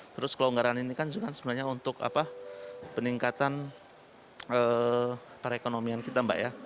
terus kelonggaran ini kan sebenarnya untuk peningkatan perekonomian kita mbak ya